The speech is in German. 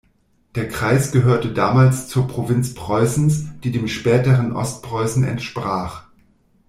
Der Kreis gehörte damals zur Provinz Preußen, die dem späteren Ostpreußen entsprach.